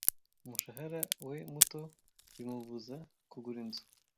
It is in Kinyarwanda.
Umushahara we muto bimubuza kugura inzu.